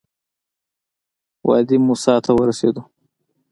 وادي موسی ته ورسېدو.